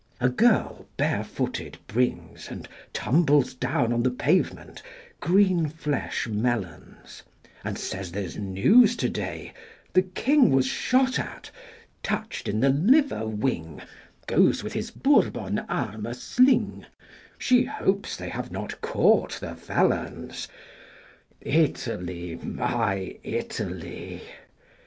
A girl bare footed brings, and tumbles Down on the pavement, green flesh melons, And says there's news today the king 35 Was shot at, touched in the liver wing, Goes with his Bourbon arm a sling: She hopes they have not caught the felons. Italy, my Italy!